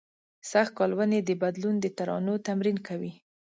سږ کال ونې د بدلون د ترانو تمرین کوي